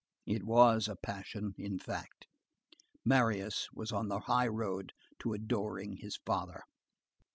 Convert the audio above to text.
It was a passion, in fact. Marius was on the high road to adoring his father.